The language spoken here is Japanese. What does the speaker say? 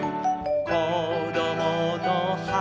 「こどものはりと」